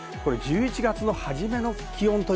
１１月初めの気温。